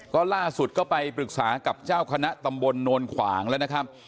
ก็ล่าสุดก็ไปปรึกษากับเจ้าคณะตำบลโนนขวางแล้วนะครับ